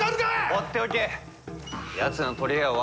放っておけ。